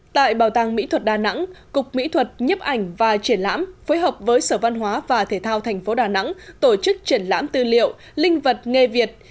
tại bảo tàng mỹ thuật đà nẵng cục mỹ thuật nhếp ảnh và triển lãm phối hợp với sở văn hóa và thể thao tp đà nẵng tổ chức triển lãm tư liệu linh vật nghề việt